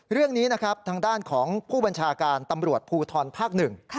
เรื่องนี้ทางด้านของผู้บัญชาการตำรวจภูทรภาค๑